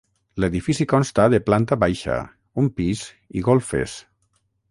L'edifici consta de planta baixa, un pis i golfes.